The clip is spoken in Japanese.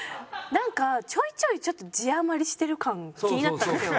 なんかちょいちょいちょっと字余りしてる感が気になったんですよ。